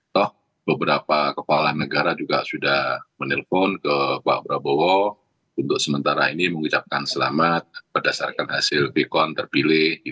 toh beberapa kepala negara juga sudah menelpon ke pak prabowo untuk sementara ini mengucapkan selamat berdasarkan hasil quick count terpilih